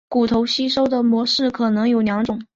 骨头吸收的模式可能有两种。